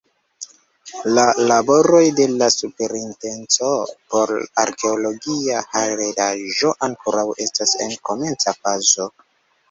La laboroj de la Superintendenco por Arkeologia Heredaĵo ankoraŭ estas en komenca fazo.